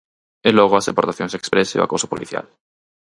E logo as deportacións exprés e o acoso policial.